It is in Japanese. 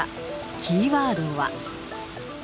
キーワードは。